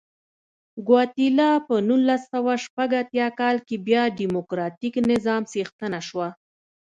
ګواتیلا په نولس سوه شپږ اتیا کال کې بیا ډیموکراتیک نظام څښتنه شوه.